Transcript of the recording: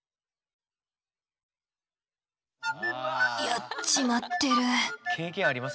やっちまってる。